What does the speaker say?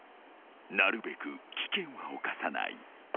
［なるべく危険は冒さない。